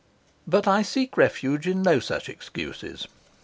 But I seek refuge in no such excuses.